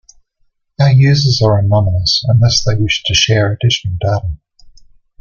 Our users are anonymous unless they wish to share additional data.